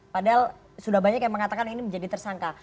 padahal sudah banyak yang mengatakan ini menjadi tersangka